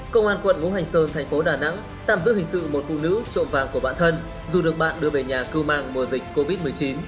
công an quận ngũ hành sơn tp đà nẵng tạm giữ hình sự một phụ nữ trộm vàng của bạn thân dù được bạn đưa về nhà cư mang mùa dịch covid một mươi chín